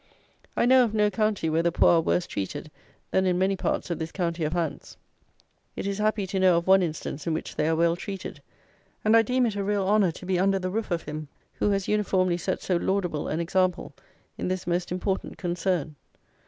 I know of no county where the poor are worse treated than in many parts of this county of Hants. It is happy to know of one instance in which they are well treated; and I deem it a real honour to be under the roof of him who has uniformly set so laudable an example in this most important concern.